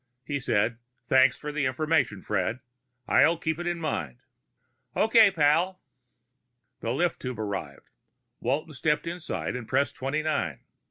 He said, "Thanks for the information, Fred. I'll keep it in mind." "Okay, pal." The lift tube arrived. Walton stepped inside and pressed twenty nine.